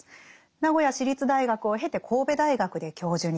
名古屋市立大学を経て神戸大学で教授に。